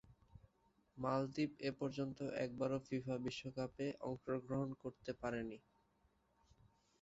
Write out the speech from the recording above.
মালদ্বীপ এপর্যন্ত একবারও ফিফা বিশ্বকাপে অংশগ্রহণ করতে পারেনি।